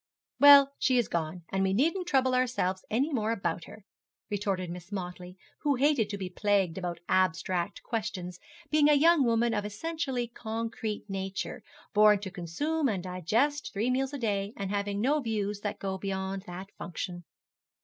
'Well, she is gone, and we needn't trouble ourselves any more about her,' retorted Miss Motley, who hated to be plagued about abstract questions, being a young woman of an essentially concrete nature, born to consume and digest three meals a day, and having no views that go beyond that function.